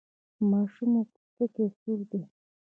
ماشوم مو پوستکی سور دی؟